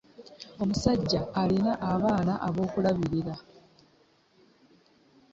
Omusajja alina abaana abokulabirira.